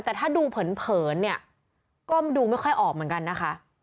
แต่ถ้าดูเผินเนี่ยก็ดูไม่ค่อยออกเหมือนกันนะคะ